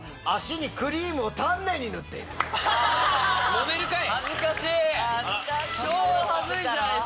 モデルかい！